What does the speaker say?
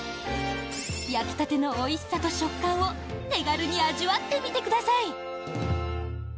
焼きたてのおいしさと食感を手軽に味わってみてください。